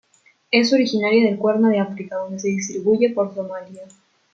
Es originaria del Cuerno de África donde se distribuye por Somalia.